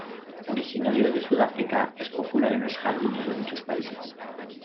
Originario de Sudáfrica, es popular en los jardines de muchos países.